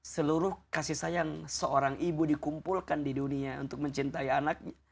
seluruh kasih sayang seorang ibu dikumpulkan di dunia untuk mencintai anaknya